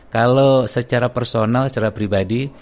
kalau secara personal secara pribadi